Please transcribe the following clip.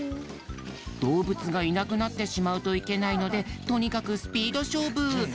どうぶつがいなくなってしまうといけないのでとにかくスピードしょうぶ。